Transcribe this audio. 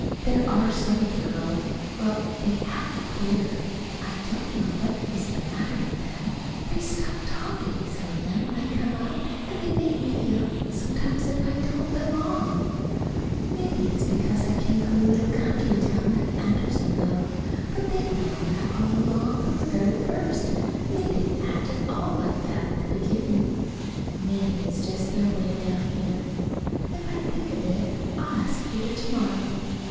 There are some of the girls well, they act queer. I don't know what is the matter with them. They stop talking some of them when I come up, and they make me feel, sometimes, as if I didn't belong. Maybe it's because I came from a little country town like Andersonville. But they've known that all along, from the very first. And they didn't act at all like that at the beginning. Maybe it's just their way down here. If I think of it I'll ask Peter to morrow.